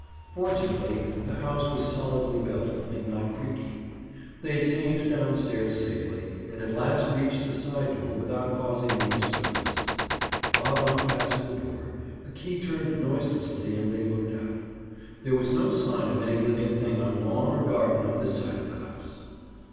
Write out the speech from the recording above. Fortunately, the house was solidly built and not creaky. They attained down stairs safely, and at last reached the side door without causing any disturbance. Bob unfastened the door, the key turned noiselessly and they looked out. There was no sign of any living thing on lawn or garden on this side of the house.